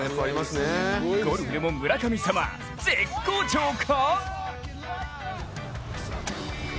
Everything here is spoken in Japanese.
ゴルフでも村神様、絶好調か！？